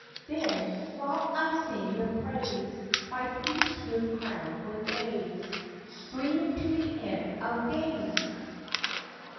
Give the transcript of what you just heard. Then, while I sing your praise, My priest hood crown with bays Green to the end of days!